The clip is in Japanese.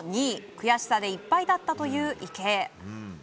悔しさでいっぱいだったという池江。